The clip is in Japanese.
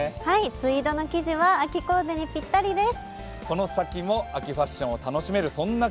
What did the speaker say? ツイードの生地は秋コーデにぴったりです。